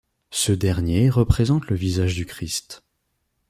Ce dernier représente le visage du Christ.